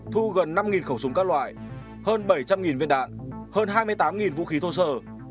thu gần năm khẩu súng các loại hơn bảy trăm linh viên đạn hơn hai mươi tám vũ khí thô sơ